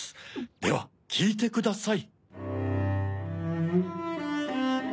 ではきいてください。